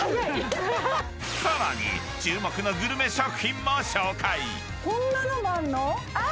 更に、注目のグルメ食品も紹介。